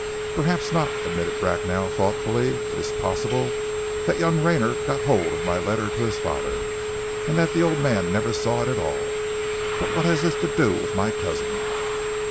"Perhaps not," admitted Bracknell thoughtfully. "It is possible that young Rayner got hold of my letter to his father and that the old man never saw it at all. But what has this to do with my cousin!"